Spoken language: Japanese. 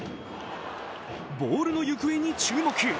ボールの行方に注目。